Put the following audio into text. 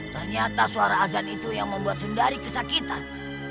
ternyata suara azan itu yang membuat sundari kesakitan